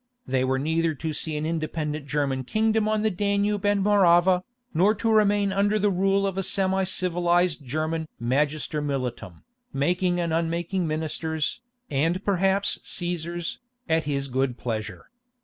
They were neither to see an independent German kingdom on the Danube and Morava, nor to remain under the rule of a semi civilized German Magister militum, making and unmaking ministers, and perhaps Cæsars, at his good pleasure.